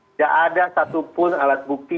tidak ada satupun alat bukti